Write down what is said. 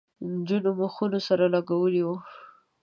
نجونو مخونه سره لگولي وو.